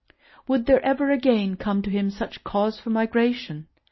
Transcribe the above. Would there ever again come to him such cause for migration?